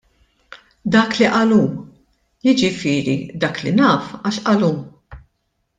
Dak li qal hu, jiġifieri dak li naf għax qal hu.